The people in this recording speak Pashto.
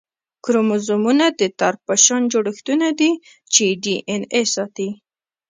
کروموزومونه د تار په شان جوړښتونه دي چې ډي این اې ساتي